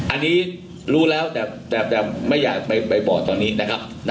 อันนี้รู้แล้วแต่ไม่อยากไปบอกตอนนี้นะครับ